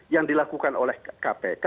yang dilakukan oleh kpk